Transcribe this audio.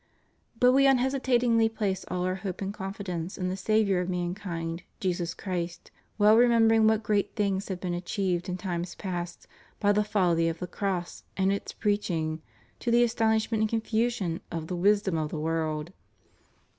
But We unhesitatingly place all Our hope and confidence in the Saviour of man kind, Jesus Christ, well remembering what great things have been achieved in times past by the folly of the Cross and its preaching, to the astonishment and confusion of the vnsdom of the world.